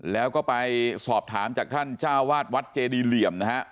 แล้วก็ไปสอบถามจากท่านเจ้าวาดวัดเจดีเหลี่ยมนะฮะ